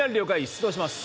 出動します